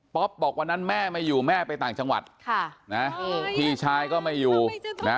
บอกวันนั้นแม่ไม่อยู่แม่ไปต่างจังหวัดค่ะนะพี่ชายก็ไม่อยู่นะ